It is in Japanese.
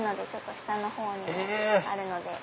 下のほうにもあるので。